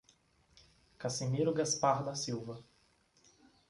Cassimiro Gaspar da Silva